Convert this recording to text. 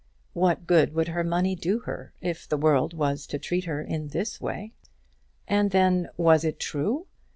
What good would her money do her, if the world was to treat her in this way? And then, was it true?